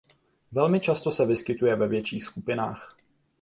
Velmi často se vyskytuje ve větších skupinách.